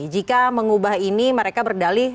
jika mengubah ini mereka berdalih